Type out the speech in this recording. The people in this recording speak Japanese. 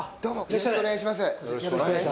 よろしくお願いします。